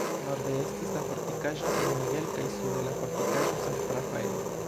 Norde estis la fortikaĵo San Miguel kaj sude la fortikaĵo San Rafael.